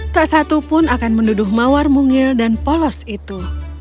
tak satu pun akan menduduh mawar mungil dan polos itu